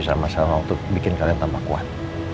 sama sama untuk bikin kalian tambah kuat